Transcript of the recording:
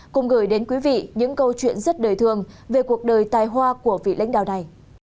cùng gửi đến quý vị những câu chuyện rất đời thường về cuộc đời tài hoa của vị lãnh đạo này